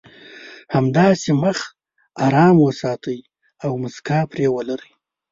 همداسې مخ ارام وساتئ او مسکا پرې ولرئ.